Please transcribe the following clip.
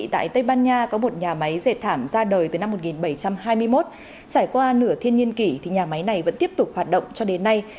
tại tây ban nha có một nhà máy dệt thảm ra đời từ năm một nghìn bảy trăm hai mươi một trải qua nửa thiên nhiên kỷ thì nhà máy này vẫn tiếp tục hoạt động cho đến nay